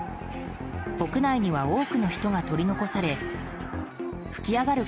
屋内には多くの人が取り残され噴き上がる